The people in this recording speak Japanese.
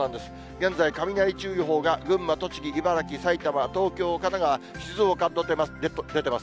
現在、雷注意報が群馬、栃木、茨城、埼玉、東京、神奈川、静岡に出てます。